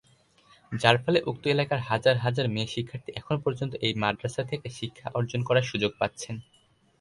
যার ফলে উক্ত এলাকার হাজার হাজার মেয়ে শিক্ষার্থী এখন পর্যন্ত এই মাদ্রাসা থেকে শিক্ষা অর্জন করার সুযোগ পাচ্ছেন।